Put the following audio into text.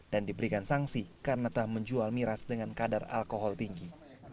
dan diberikan sanksi karena tak menjual miras dengan kadar alkohol tinggi